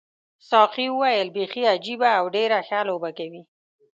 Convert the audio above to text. ساقي وویل بیخي عجیبه او ډېره ښه لوبه کوي.